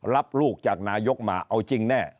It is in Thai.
รับลูกจากนายกมาเอาจริงแน่